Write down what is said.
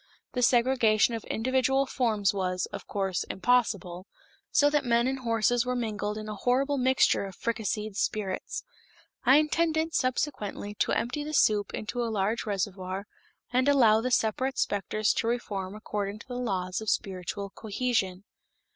The segregation of individual forms was, of course, impossible, so that men and horses were mingled in a horrible mixture of fricasseed spirits. I intended subsequently to empty the soup into a large reservoir and allow the separate specters to reform according to the laws of spiritual cohesion.